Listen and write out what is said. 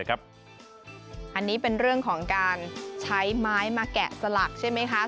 อันนี้เป็นเรื่องของการใช้ไม้มาแกะสลักใช่ไหมคะ